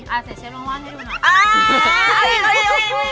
อ่าเสร็จเชฟมาว่าให้ดูหน่อย